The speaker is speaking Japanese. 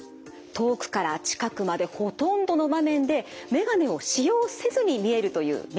遠くから近くまでほとんどの場面で眼鏡を使用せずに見えるというメリットがあります。